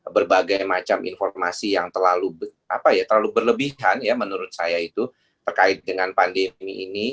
berbagai macam informasi yang terlalu berlebihan ya menurut saya itu terkait dengan pandemi ini